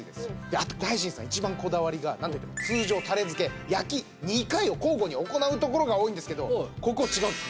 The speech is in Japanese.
あと大新さん一番こだわりがなんといっても通常タレ付け・焼き２回を交互に行うところが多いんですけどここは違うんです。